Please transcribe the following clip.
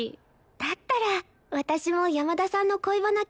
だったら私も山田さんの恋バナ聞きたいな。